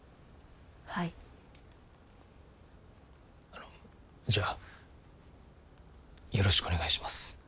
あのじゃあよろしくお願いします。